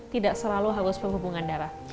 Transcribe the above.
tidak selalu haus penghubungan darah